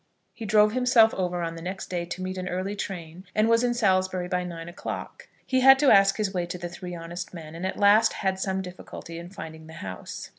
He drove himself over on the next day to meet an early train, and was in Salisbury by nine o'clock. He had to ask his way to the Three Honest Men, and at last had some difficulty in finding the house.